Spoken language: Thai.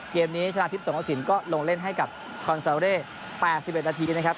เกมนี้ชนะทิพย์สงกระสินก็ลงเล่นให้กับคอนซาเร่๘๑นาทีนะครับ